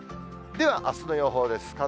ではあすの予報です。